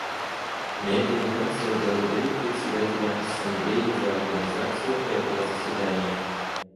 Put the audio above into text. Моя делегация благодарит Председателя Ассамблеи за организацию этого заседания.